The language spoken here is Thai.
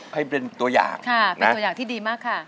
ให้เป็นตัวอย่างค่ะเป็นตัวอย่างที่ดีมากค่ะ